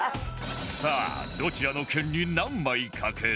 さあどちらの県に何枚賭ける？